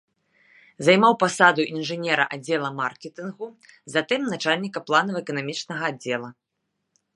Займаў пасаду інжынера аддзела маркетынгу, затым начальніка планава-эканамічнага аддзела.